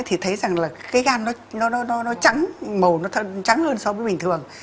thì thấy rằng là cái gan nó trắng màu nó trắng hơn so với bình thường